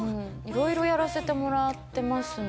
色々やらせてもらってますね